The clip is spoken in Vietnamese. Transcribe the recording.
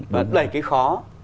vẫn lấy cái khó